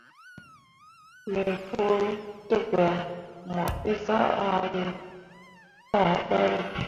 Me fuu degba mo eezah yah babe.